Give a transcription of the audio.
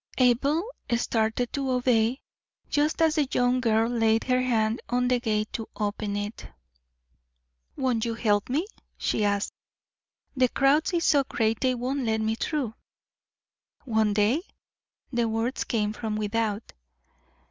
Abel started to obey, just as the young girl laid her hand on the gate to open it. "Won't you help me?" she asked. "The crowd is so great they won't let me through." "Won't they?" The words came from without.